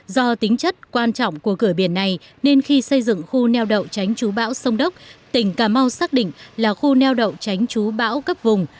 do tính chất quan trọng của cửa biển này nên khi xây dựng khu neo đậu tránh chú bão sông đốc tỉnh cà mau xác định là khu neo đậu tránh chú bão cấp vùng